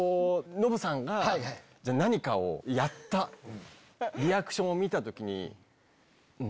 ノブさんが何かをやったリアクションを見た時に。